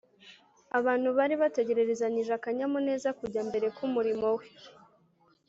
abantu bari bategererezanyije akanyamuneza kujya mbere k’umurimo we